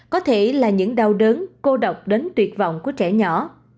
có thể là những đau đớn cô độc đến tuyệt vọng của trẻ nhỏ